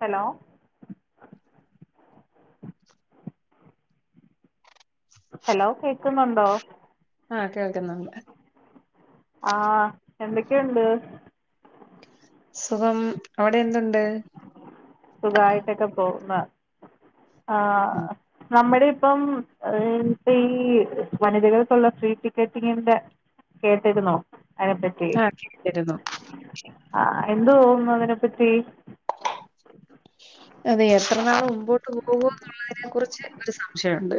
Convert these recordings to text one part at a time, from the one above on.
Hello hello കേക്കുന്നുണ്ടോ ആ കേൾക്കുന്നുണ്ട് ആ എന്തൊക്കെയുണ്ട് സുഖം അവിടെ എന്തുണ്ട് സുഖമായിട്ടൊക്കെ പോകുന്ന ആ നമ്മുടെ ഇപ്പം ഈ വനിതകൾക്കുള്ള ഫ്രീ ടിക്കറ്റിങ്ങിന്റെ കേട്ടിരുന്നോഅതിനെ പറ്റി ആഹ് കേട്ടിരുന്നു ആ എന്ത് തോന്നുന്നു അതിനെപ്പറ്റി അതെ എത്രനാൾ മുമ്പോട്ട് പോകും എന്നുള്ളതിനെ കുറിച്ച് ഒരു സംശയമുണ്ട്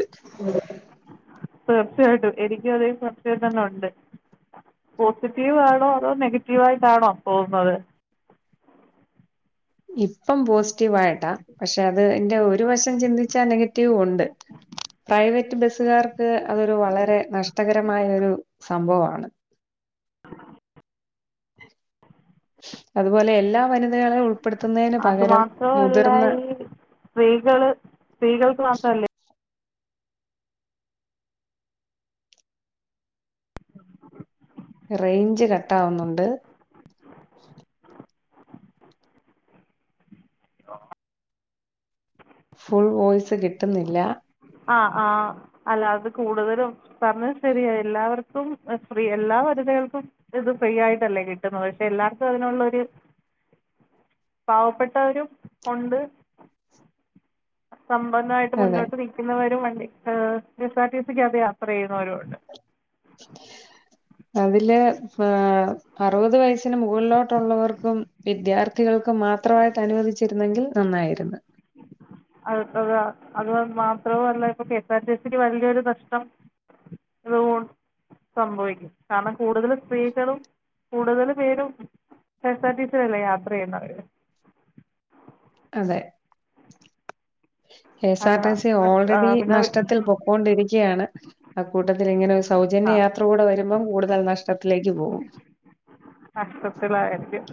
തീർച്ചയായിട്ടും എനിക്കും അതെ തീർച്ചയായിട്ടും തന്നെ ഉണ്ട് പോസിറ്റീവ് ആണോ അതോ നെഗറ്റീവായി ട്ടാണോ തോന്നുന്നത് ആ [unintelligible] ഇപ്പം പോസിറ്റീവായിട്ടാ പക്ഷെ അത് എന്റെ ഒരു വശം ചിന്തിച്ചാ നെഗറ്റീ റ്റീവ് ഉണ്ട് പ്രൈവറ്റ് ബസുകാർക്ക് അതൊരു വളരെ നഷ്ടകരമായ ഒരു സംഭവമാണ് അതുപോലെ എല്ലാവനും വരെയും. ഉൾപ്പെടുത്തുന്നതിന് പകരം മുതിർന്ന സ്ത്രീകള് സ്ത്രീകൾക്ക് മാത്രല്ലേ റെയ്ഞ്ച് കട്ടാവുന്നുണ്ട് ഫുള് വോയ്സ് കിട്ടുന്നില്ല ആ ആ അല്ല അത് കൂടുതലും പറഞ്ഞത് ശരിയായില്ല അവർക്കും ഫ്രീ എല്ലാവർ സ്ത്രീകൾക്കും ഇത് ഫ്രീ ആയിട്ടല്ലേ കിട്ടുന്നത് പക്ഷെ എല്ലാർക്കും അതിനുള്ളൊരു പാവപ്പെട്ടവരും ഒണ്ട് സമ്പന്നമായിട്ട് അതെ മുന്നോട്ട് നിൽക്കുന്നവരും ഒ ണ്ട് ഏ കെ എസ് ആർടി സീക്കകത്ത് യാത്ര ചെയ്യുണോരു ഒണ്ട് അതില് ഹ് അറുപത് വയസിന് മുകളിലോട്ടൊള്ളവർക്കും വിദ്യാർത്ഥി കൾക്കും മാത്രമായിട്ട് അനുവദിച്ചിരുന്നെങ്കിൽ നന്നായിരുന്നു ഉം അത് അതാ അത് മാത്രവു അല്ല ഇപ്പൊ കെ എസ് ആർ ടി സിക്ക് വലിയൊരു നഷ്ടം അത് സംഭവിക്കും കാരണം കൂടുതലും സ്ത്രീകളും കൂടുതൽ പേരും കെ എസ് ആർ ടിസീ യിൽ അല്ലെ യാത്ര ചെയ്യുന്നവര് അതെ K S R T C അതാണ് ഓൾറെഡി നഷ്ടത്തിൽ പിന്നെ പൊക്കൊണ്ടിരിക്കാണ് അക്കൂട്ടത്തിൽ ഇങ്ങനെ ആ സൗജന്യ യാത്ര കൂടെ വരുമ്പം കൂടുതൽ നഷ്ടത്തിലേക്ക് പോകും നഷ്ടത്തിലായിരിക്കും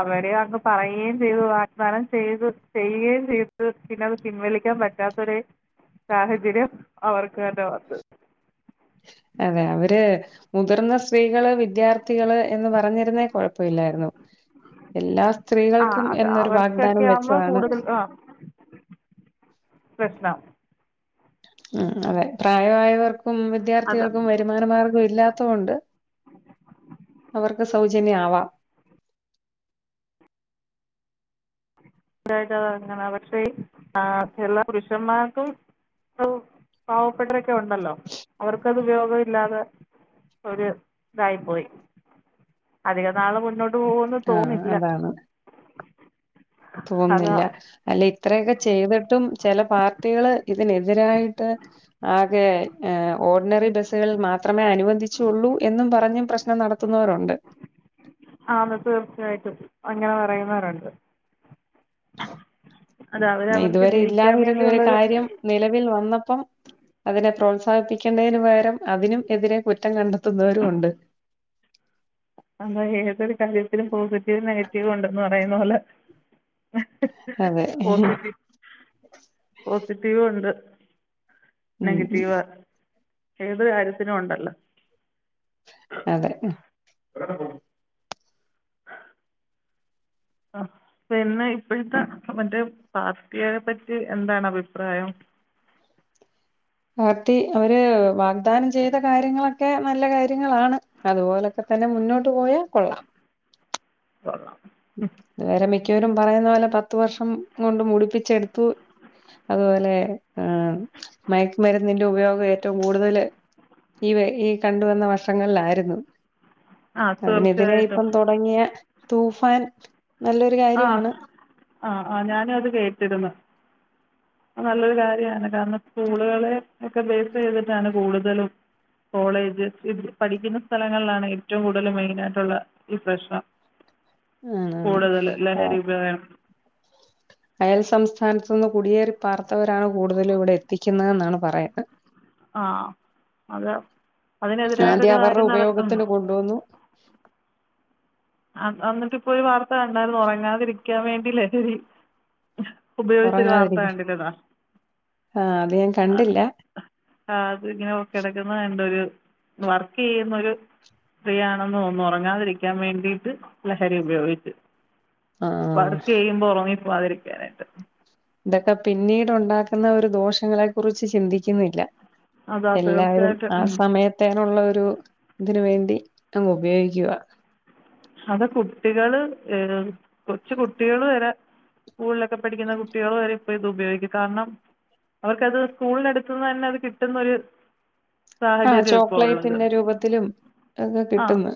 അവര് അങ്ങ് പറയുകയും ചെയ്തു വാഗ്ദാനം ചെയ്തു ചെയ്യ ക്കീം തീർത്തുപിന്നെത് പിൻവലിക്കാൻ പറ്റാത്തൊരെ സാഹചര്യം അവർക്ക് കണ്ടവാത്തത അതെ അവര് മുതിർന്ന സ്ത്രീകള് വിദ്യാർത്ഥികള് എന്ന് പറഞ്ഞ ണേ കൊഴപ്പയില്ലായിരുന്നു എല്ലാ ആ സ്ത്രീകൾക്കും അത് എന്നൊരു അവർക്കൊക്കെ വാഗ്ദാനം ആകുമ്പോൾ വെച്ചതാണ് കൂടുതൽ ആ പ്രശ്നം ഉം അതെ പ്രായമായവർ ക്കും അത് വിദ്യാർത്ഥികൾക്കും വരുമാനമാർഗം ഇല്ലാത്തോണ്ട് അവർക്ക് സൗജന്യയാവാം ഫ്രീ ആയിട്ടാ അങ്ങനെ പക്ഷേ ആ എല്ലാ പുരുഷന്മാർക്കും അവു പാവപ്പെട്ടരൊക്കെ ഉണ്ടല്ലോ അവർക്ക് അത് ഉപയോഗം ഇല്ലാതെ ഒരു തായി പോയി അധിക നാള് മുന്നോ ട്ട് പോവുന്നു ആഹ് തോന്നില്ല അതാണ്. തോന്നുന്നില്ല അല്ല ഇത്രയൊക്കെ ചെയ്തിട്ടും ചില പാർട്ടികള് ഇതിനെതിരായിട്ട് ആകെ ഓർഡിനറി ബസ്സുകളിൽ മാ ത്രമേ അനുവദിച്ചുള്ളൂ എന്നും പറഞ്ഞും പ്രശ്നം നടത്തുന്നവരൊണ്ട് [inaudible] ആന്ന് തീർച്ചയായിട്ടും അങ്ങനെ പറയുന്നവരുണ്ട് അത് ന്നേ അവരവർക്ക് ഇതുവരെ ജയിക്കാൻ ഇല്ലാതിരുന്ന ഒരു വേണ്ടിയുള്ളൊരു കാര്യം നിലവിൽ വന്നപ്പം അതിനെ പ്രോത്സാഹിപ്പിക്കേണ്ടതിന് പകരം അതിനും എതിരെ കുറ്റം കണ്ടെത്തുന്നവരു ഒണ്ട് [inaudible] അതാ ഏതൊരു കാര്യത്തിലും പോസിറ്റീവ് നെഗറ്റീവ് ഉണ്ടന്ന് പറയുന്ന പോലെ അതെ പോസിറ്റീവ് പോസിറ്റീവ് ഒണ്ട് ഉം നെഗറ്റീവ് ഏത് കാര്യത്തിനും ഒണ്ടല്ലോ അതെ [unintelligible] ആ പിന്നെ ഇപ്പോഴത്തെ മറ്റേ പാർട്ടിയെ പറ്റി എന്താണ് അഭിപ്രായം [inaudible] പാർട്ടി അവര് വാഗ്ദാനം ചെയ്ത കാര്യങ്ങളൊക്കെ നല്ല കാര്യങ്ങളാണ് അതുപോലൊക്കെ തന്നെ മുന്നോട്ട് പോയാൽ കൊള്ളാം [inaudible] ഇതുവരെ മിക്കവരും പറയുന്ന പോലെ പത്ത് വർഷം കൊണ്ട് മുടിപ്പിച്ചെടുത്തു അത് പോ ഈ ഈ കണ്ടുവന്ന വർഷങ്ങളിലായിരുന്നു ആ അതിനെതിരെ തീർച്ചയായിട്ടും ഇപ്പം തുടങ്ങിയ തൂഫാൻ നല്ലൊരു ആ കാര്യമാണ് ആഹ് ആ ഞാന അത് കേട്ടിരിന്ന് നല്ലൊരു കാര്യാണ് കാരണം സ്കൂളുകളെ ഒക്കെ ബേസ് ചെയ്തിട്ടാണ് കൂടുതലും കോളേജ് ഈ പഠിക്കുന്ന സ്ഥലങ്ങളിലാണ് ഏറ്റവും കൂടുതൽ മെയിന് ആയിട്ടുള്ള ഈ പ്രശ്നം ആണാണ് [unintelligible] സംസ്ഥാനത്ത് നിന്ന് കുടിയേറി പാർത്തവരാണ് കൂടുതലും ഇവിടെ എത്തിക്കുന്ന എന്നാണ് പറയുന്നത്. ആ അത് അതിനെതിരായിട്ടൊരു ആദ്യം അവരുടെ കാര്യം നടത്തുന്നു. ഉപയോഗത്തിന് കൊണ്ടുവന്നു വന്നിട്ട് ഇപ്പോ ഒരു വാർത്ത കണ്ടായിരുന്നു ഉറങ്ങാതിരിക്കാൻ വേണ്ടി ലഹരി ഉപയോഗിച്ചൊരു വാർത്ത ഉറങ്ങാതിരിക്കാൻ കണ്ടിരിതാ ആഹ് അത് ഞാൻ ആ കണ്ടില്ല ആ അത് ഇങ്ങനെ കിടക്കുന്ന കണ്ടു ഒരു വർക്ക് ചെയ്യുന്നൊരു സ്ത്രീയാണെന്ന് തോന്നു ഉറങ്ങാതിരിക്കാൻ വേണ്ടി ത് ലഹരി ഉപയോഗിച്ചു ആഹ് വർക്ക് ചെയ്യുമ്പോ ഉറങ്ങിപ്പോതിരിക്കാനായിട്ട്. ഇതൊക്കെ പിന്നീട്ണ്ടാക്കുന്ന ഒരു ദോഷങ്ങളെ കുറിച്ച് ചിന്തിക്കുന്നില്ല. അതാ എല്ലാരും തീർച്ചയായിട്ടും ആ ഉം. സമയത്തേനുള്ള ഒരു ഒരു ഇതിന് വേണ്ടി അങ്ങ് ഉപയോഗിക്കുക. അത് കുട്ടികള് ഏ കൊച്ചു കുട്ടികള് വരെ സ്കൂളിലൊക്കെ പഠിക്കുന്ന കുട്ടികൾ വരെ ഇപ്പ ഇത് ഉപയോഗിക്കും കാരണം അവർക്കത് സ്കൂളിനടുത്തുന്ന് തന്നെ അത് കിട്ടുന്നൊരു ആഹ് സാഹചര്യാ ഇപ്പൊ ഉള്ളത് ചോക്ലേറ്റിന്റെ രൂപത്തിലും ഒക്കെ ആഹ കിട്ടുന്ന്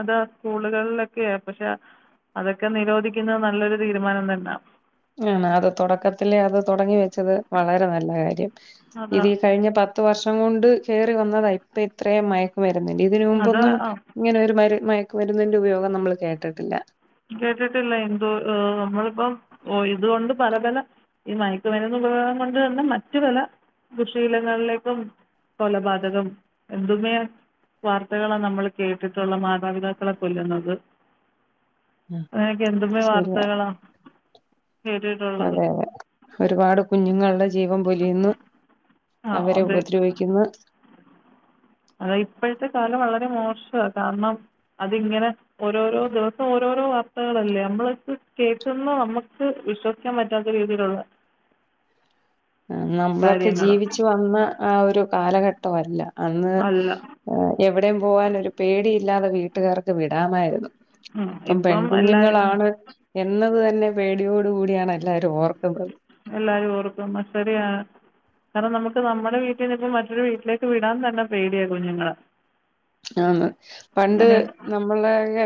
അതാ സ്കൂളുകളിലൊക്കെയ പക്ഷെ അതൊക്കെ നിരോധിക്കുന്നത് നല്ലൊരു തീരുമാനം തന്നാ. ആണ് അത് തുടക്കത്തിലേ അത് തുടങ്ങി വെച്ചത് വളരെ നല്ല കാര്യം. അതാ ഇത് കഴിഞ്ഞ പത്ത് വർഷം കൊണ്ട് കേറി വന്നതാ ഇപ്പ ഇത്രയും മയക്കുമരു [unintelligible] ഇതിന് അത് മുമ്പൊന്നും ആ ഇങ്ങനെ ഒരു മരു മയക്കുമരുന്നിന്റെ ഉപയോഗം നമ്മൾ കേട്ടട്ടില്ല. കേട്ടിട്ടില്ല എന്തോ ഓ നമ്മളിപ്പം ഇതുകൊണ്ട് പല പല ഈ മയക്കുമരുന്ന് ഉപയോഗം കൊണ്ട് തന്നെ മറ്റു പല ദുശീലങ്ങളിലേക്കും കൊലപാതകം എന്തുമയാ വാർത്തകളാണ് നമ്മൾ കേട്ടിട്ടുള്ള മാതാപിതാക്കളെ കൊല്ലുന്നത് അ അങ്ങനെയൊക്കെ എന്തുമേ ശരിയാ വാർത്തകളാണ് കേട്ടിട്ടുള്ളത് അതെ അതെ ഒരുപാട് കുഞ്ഞുങ്ങളുടെ ജീവൻ പൊലിയുന്നു. ആ അവരെ അതെ ഉപദ്രവിക്കുന്ന് അതാ ഇപ്പോഴത്തെ കാലം വളരെ മോശ വാ കാരണം അതിങ്ങനെ ഓരോരോ ദിവസം ഓരോ ഓരോ വാർത്തകളല്ലേ നമ്മള കേൾക്കുന്ന നമ്മുക്ക് വിശ്വസിക്കാൻ പറ്റാത്ത രീതിയിലുള്ള നമ്മളൊക്കെ കാര്യങ്ങളാണ് ജീവിച്ചു വന്ന ആ ഒരു കാലഘട്ടവല്ല അന്ന് അല്ല എവിടെയും പോകാൻ ഒരു പേടിയില്ലാതെ വീട്ടുകാർക്ക് വിടാമായിരുന്നു. ഉം ഇപ്പം എല്ലാവരും ഉം പെൺകുഞ്ഞുങ്ങളാണ് എന്നത് തന്നെ പേടിയോട് കൂടിയാണ് എല്ലാരും ഓർക്കുന്നത് എല്ലാരും ഓർക്കുമ്പ ശരിയാണ് കാരണം നമ്മുക്ക് നമ്മുടെ വീട്ടിനിന്ന് ഇപ്പ മറ്റൊരു വീട്ടിലേക്ക് വിടാൻ തന്നെ പേടിയാ കുഞ്ഞുങ്ങളെ ആന്ന് പണ്ട് ഇങ്ങനെ നമ്മള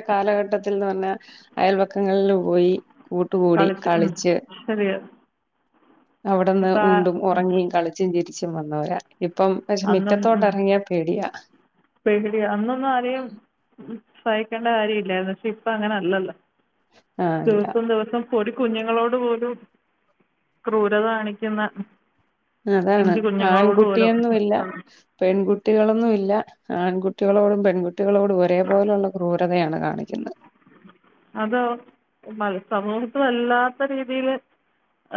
കാലഘട്ടത്തിൽ കഴിഞ്ഞ തന്നെ അയൽപക്കങ്ങളിൽ പോയി കൂട്ടുകൂടി കളിച്ച് ശരിയാണ് അവിട്ന്ന് ഇപ്പം ആ ഉണ്ടും ഉം ഉറങ്ങിയും കളിച്ചും ചിരിച്ചും വന്നവരാ ഇപ്പം പക്ഷെ അന്നൊന്ന് മിറ്റത്തോട്ട് ഉ ഇറങ്ങിയാ പേടിയാ പേടി അന്നൊന്നും ആരെയും സഹിക്കേണ്ട കാര്യം ഇല്ലായിരുന്നു ഇപ്പ അങ്ങനെ അല്ലല്ലോ ആഹ് ഇല്ല ദിവസം ദിവസം ഒരു കുഞ്ഞുങ്ങളോട് പോലും ക്രൂരത കാണിക്കുന്ന അതാണ് പിഞ്ചു കുഞ്ഞുങ്ങളോട് ആൺകുട്ടിയെന്നും ഇല്ല പോലും പെൺകുട്ടികളെന്നും ഇല്ല ല്ല ആൺകുട്ടികളോടും പെൺകുട്ടികളോടും ഒരേപോലെള്ള ക്രൂരതയാണ് കാണിക്കുന്ന അതോ മത് സമൂഹത്ത് വല്ലാത്ത രീതിയില്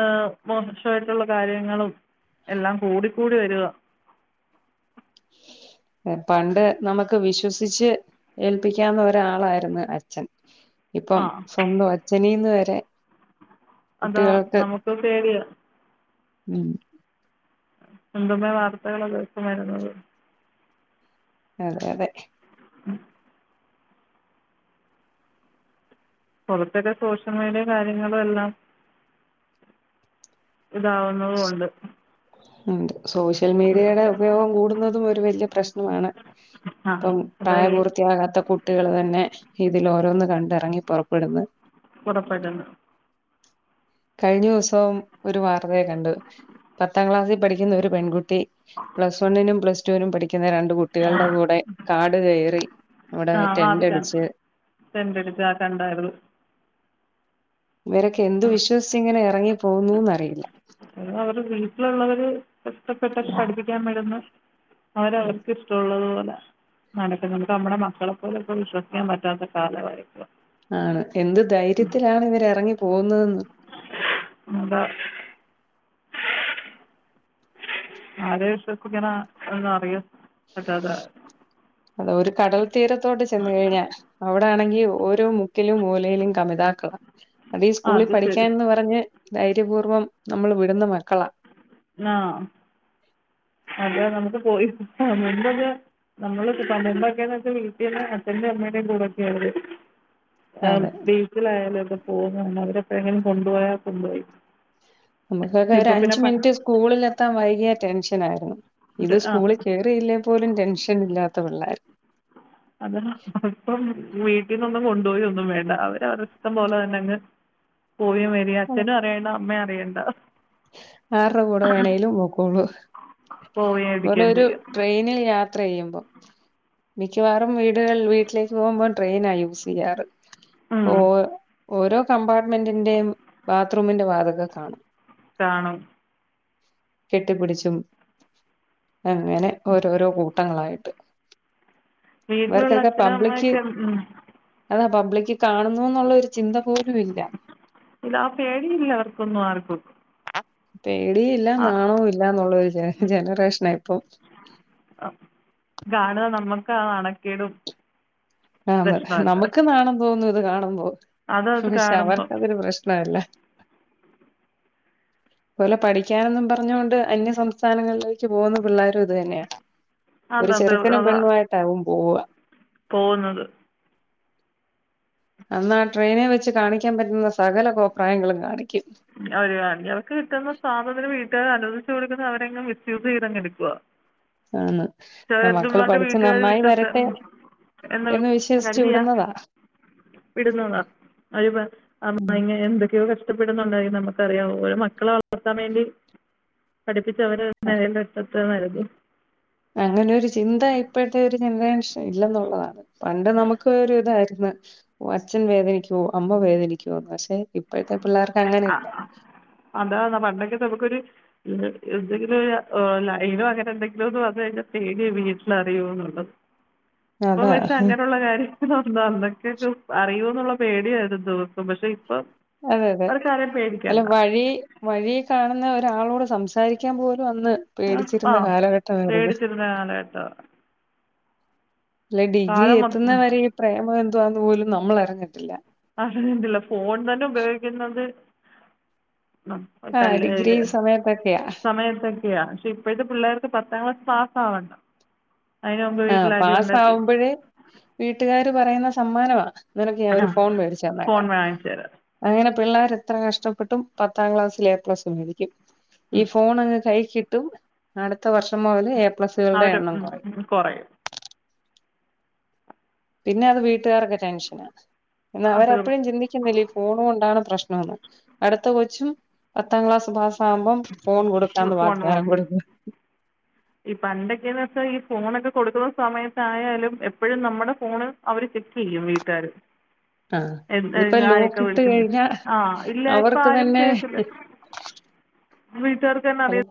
ആ മോശമായിട്ടുള്ള കാര്യങ്ങളും എല്ലാം കൂടിക്കൂടി വരുവാ പണ്ട് നമുക്ക് വിശ്വസിച്ച് ഏൽപ്പിക്കാവുന്ന ഒരാളായിരുന്നു അച്ഛൻ ആ ഇപ്പം സ്വന്തം അഛനീന്ന് വരെ അതാ കുട്ടികൾക്ക് നമുക്ക്പേടിയാ. ഉം എന്തുമേ വാർത്തകളാ ദിവസംവരുന്നത്. അതെ അതെ ഉം കുറച്ചൊക്കെ സോഷ്യൽ മീഡിയെ കാര്യങ്ങളും എല്ലാം ഇതാവുന്നതു കൊണ്ട് ഉണ്ട് സോഷ്യൽ മീഡിയയുടെ ഉപയോഗം കൂടുന്നതും ഒരു വല്ല്യ പ്രശ്നമാണ്. ആ ഇപ്പം അതാണ് ഈ പ്രായപൂർത്തിയാകാത്ത കുട്ടികള് തന്നെ ഇതിലോരോന്ന് കണ്ടറങ്ങി പുറപ്പെടുന്ന് പുറപ്പെട്ട് ണ്ട് കഴിഞ്ഞ ദിവസം ഒരു വാർത്ത ഞാൻ കണ്ടു. പത്താം ക്ലാസ്സിൽ പഠിക്കുന്ന ഒരു പെൺകുട്ടി പ്ലസ് വണ്ണിനും പ്ലസ് ടുവിനും പഠിക്ക ക്കുന്ന രണ്ട് കുട്ടികളുടെ കൂടെ കാട് കയറി അവിടെ ആ ടെന്റ് അതുകണ്ടു അടിച്ച് [unintelligible] ടുത്ത ആ കണ്ടാരുന്നു. ഇവരൊക്കെ എന്ത് വിശ്വസിച്ചിങ്ങനെ എറങ്ങി പോകുന്നുന്നറിയില്ല. അവര് വീട്ടിലുള്ളവര് കഷ്ടപ്പെട്ടാ പഠിപ്പിക്കാൻ വിടുന്നു അവരവർക്ക് ഇഷ്ടള്ളത് പോലെ. നടക്ക് ന്ന് ഇങ്ങട്ട് നമ്മടെ മക്കളെ പോലു ഇപ്പ വിശ്വസിക്കാൻ പറ്റാത്ത കാലവാ ഇപ്പ. ആണ്, എന്ത് ധൈര്യത്തിലാണ് ഇവരെറങ്ങി പോകുന്നതെന്ന്. അതാ. ആരെ വിശ്വസിക്കണം എന്ന് അറിയാൻ പറ്റാത്ത ഒര്കടൽ തീരത്തോട്ടു ചെന്ന് കഴിഞ്ഞാൽ അവിടാണെങ്കി ഓരോ മുക്കിലും മൂലയിലും കമിതാക്കളാ. അതീ ആ സ്കൂളിൽ അത് ശരി പഠിക്കാനെന്ന് പറഞ്ഞ് ധൈര്യപൂർവ്വം നമ്മൾ വിടുന്ന മക്കളാ. ആ അത് നമുക്ക് പോയി വരുന്നത് നമ്മളൊക്കെ പണ്ടന്തൊക്കെ നെച്ചാ വീട്ടീന്ന് അച്ന്റെയും അമ്മയുടെയും കൂടെ ഒക്കെയ ആ അതെ ബീച്ചിലായാലും ഒക്കെ പോകു ന്നെ അവരെപ്പഴെങ്ങാനും കൊണ്ടു പോയാ കൊണ്ടുപോയി. നമുക്കൊക്കെ ഒരു ഇപ്പോൾ പിന്നെ അഞ്ചു പ മിനിറ്റ് സ്കൂളിലെത്താൻ വൈകിയാ ടെൻഷനാരുന്നു. ഇത് ആ സ്കൂളിൽ കേറിയില്ലേ പോലും ടെൻഷൻ ഇല്ലാത്ത പിള്ളാര്. അതാ ഇപ്പം വീട്ടീന്നൊന്നും കൊണ്ടൊ യൊന്നും വേണ്ട അവരവരുടെ ഇഷ്ടം പോലെ തന്നെ അങ്ങ് പോയി വരാ അച്ഛനും അറിയണ്ട അമ്മയും അറിയണ്ട. ആരുടെ കൂടെ വേണേലും പൊക്കോളും. പോവുകയും ഓല് എടുക്കുകയും ഒരു ചെയ്യും ട്രെയ്നിൽ യാ ത്ര ചെയ്യുമ്പം, മിക്കവാറും വീടുകളി വീട്ടിലേക്ക് പോകുമ്പം ട്രെയിനാ യൂസ് ചെയ്യാറ് ഉം ഇപ്പോ ഓരോ കമ്പാർട്ട്മെന്റിന്റെയും ബാത്റൂമിന്റെ വാതുക്കെ കാണും കാണും. കെട്ടിപിടിച്ചും അങ്ങനെ ഓരോരോ കൂ ട്ടങ്ങളായിട്ട് വീട്ടിലുള്ള ഇവർക്കൊക്കെ അച്ഛനും പബ്ലിക്ക് അമ്മയൊക്കെ ഉം അ പബ്ലിക്ക് കാണുന്നു എന്നുള്ള ഒരു ചിന്ത പോലും ഇല്ല. ഇല്ലാ പേടിയില്ല അവർക്കൊന്നും ആർക്കും. പേടീം ഇല്ല ആ നാണോം ഇല്ല എന്നുള്ളരു ജ ജനറേഷന ഇപ്പൊ. അ കാണുന്ന നമ്മക്കാ നാണക്കേടും. അതേ പ്രശ്നമൊക്കെ നമുക്ക് നാണം തോന്നും ഇത് കാണുമ്പോ. അതത് പക്ഷെ കാണുമ്പം അവർക്കതൊരു പ്രശ്നമല്ല. [inaudible] പോലെ പഠിക്കാനെന്നും പറഞ്ഞോണ്ട് അന്യസംസ്ഥാനങ്ങളിലേക്ക് പോകുന്ന പിള്ളേരും ഇത് തന്നെയാ. ഒരു അതത് ചെറുക്കനും പെണ്ണു ആയിട്ടാവും പോവ്വ പോന്നത് അന്നാ ആ ട്രെയിനെ വെച്ച് കാണിക്കാൻ പറ്റുന്ന സകല കോപ്രായങ്ങളും കാണിക്കും ഒരു അന്ത്യാവക്ക് കിട്ടുന്ന സാധനം വേടി ട്ട് അനുവദ്ച്ച് കൊടുത്തപ്പം അവനങ്ങ് മിസ്യൂസ് ചെയ്തങ്ങെടുക്കുവാ ആണ് മക്കള് ചെലേത്തുന്മാരുടെ പഠിച്ച് വീട്ടുകാര് നന്നായി വിശ്വസ്ച് വരട്ടെ എന്നലൾ എന്ന് വിശ്വസിച്ച് കരുതിയാ വിടുന്നതാ വിടുന്നതാ അവ്ര് പറ് അമ്മായമ്മയെ എന്തൊക്കെയോ കഷ്ടപ്പെ പ്പെടുന്നുണ്ട് യെന്നമുക്കറിയാവോ ഓരോ മക്കളെ വള ർത്താൻ വേണ്ടി പഠിപ്പിച്ചവരെ നെലേലെത്താ ഇത്രനരഗു അങ്ങനെ ഒരു ചിന്ത ഇപ്പഴ്ത്തെ ഒരു ജനറേഷൻ ഇല്ലെന്നുള്ളതാണ് പണ്ട് നമുക്ക് ഒരുഇതാരുന്നു അച്ഛൻ വേദനിക്കുവോ അമ്മ വേദനിക്കുവോന്ന് പക്ഷെ ഇപ്പഴ്ത്തെ ആ അതാന്ന് പണ്ടൊക്കെ നമുക്കൊരു ന്താ എന്തെങ്കിലും ഒര് ഒ ലൈനോ അങ്ങനെ എന്തെങ്കിലുഒന്ന് വന്ന് കഴിഞ്ഞാ പേടിയാ വീട്ട്ലറിയോന്ന് പം ഇപ്പ അതാ പക്ഷെ അങ്ങനൊള്ള കാര്യങ്ങളോ സൊന്താമ്മക്കെക്കെ അറിയോന്നുള്ള പേടിയാരുന്നു ദിവസം പക്ഷെ ഇപ്പൊ അതെ അതെ അല്ല വഴി വഴീക്കാണുന്ന ഒരാളോട് സംസാരിക്കാൻ പോലു വന്ന് ആ പേടിച്ചിരുന്ന കാലഘട്ടാരുന്നത് പേടിച്ചിരുന്ന കാലഘട്ടമാണ് അല്ലെ ഡിഗ്രി കാലം മൊത്തം എത്തുന്നവരെ ഈ പ്രേമം എന്തുവാന്ന് പോലും നമ്മളറിഞ്ഞിട്ടില്ല അയ്ൻ്റല്ല ഫോൺ തന്നെ ഉപയോഗിക്കുന്നത് അപ് ആ ഡിഗ്രി കല്ലേഗ് സമയത്തൊക്കെയാ. സമയത്തൊക്കെയാ പക്ഷെ ഇപ്പഴ്ത്തെ പിള്ളേർക്ക് പത്താം ക്ലാസ് പാസ് ആവണ്ട ആഹ് പാസ്സാവുമ്പോഴേ വീട്ടുകാാര് പറയുന്ന സമ്മാനവാണ് നിനക്ക്ഞാ ആ ഒരു ഫോൺ മേടിച്ചു ഫോൺ തന്നേക്കാം വാങ്ങിച്ച് തരാം അങ്ങനെ പിള്ളാരെത്ര കഷ്ടപ്പെട്ടും പത്താം ക്ലാസ്സിൽ എ പ്ല മേടിക്കും ഈ ഫോണൊക്കെ കൈ കിട്ടും അടുത്ത വർഷം മൊതല് എ പ്ലസുകളുടെ അവർ എണ്ണം കൊറയും കുറയും പിന്നെ അത് വീട്ടുകാർക്ക് ടെൻഷനാ എന്നാ അത് അവരപ്പോഴും ചിന്തിക്കുന്നില്ല ഈ ഫോൺ കൊണ്ടാണ് പ്രശ്നമെന്ന് അടുത്ത കൊച്ചും പത്താം ക്ലാസ്സ് പാസ്സാ പാമ്പും ഫോൺ കൊടുക്കാന്ന് ഫോൺ വാഗ്ദാനം നോക്കും കൊടുക്കാ ഈ പണ്ടൊക്കെന്ന്വച്ചാ ഈ ഫോണൊക്കെ കൊടുക്കുന്ന സമയത്തായാലും എപ്പഴും നമ്മുടെ ഫോണ് അവര് ചെ ക്കെയ്യും വീട്ട്കാര് ആഹ് ഇതിപ്പോ എട്ത്തഴിഞ്ഞ് ആരെയൊക്കെ ലോക്ക് ഇട്ട് വിളിച്ചൂന്ന് കഴിഞ്ഞാൽ ആഹ് ഇല്ല ഇപ്പ അവർക്ക് ആരും തന്നെ ചെയ്യത്തില്ല വീട്ടാർക്ക്തന്നറിയ